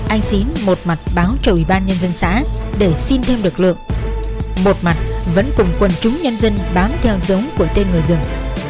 anh xín một mặt báo cho ủy ban nhân dân xã để xin thêm lực lượng một mặt vẫn cùng quần chúng nhân dân bám theo giống của tên người rừng